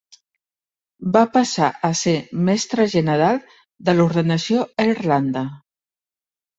Va passar a ser mestre general de l'Ordenació a Irlanda.